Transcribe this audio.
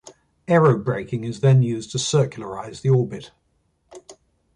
Aerobraking is then used to circularize the orbit.